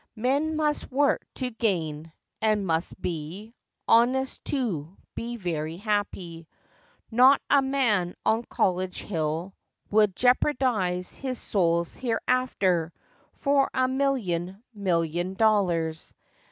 Men must work to gain; and must be Honest, to be very happy. Not a man on College Hill would Jeopardize his souks "hereafter" For a million million dollars